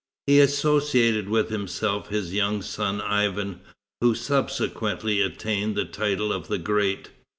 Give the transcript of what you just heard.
He associated with himself his young son Ivan, who subsequently attained the title of the Great.